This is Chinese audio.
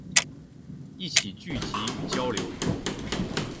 一起聚集与交流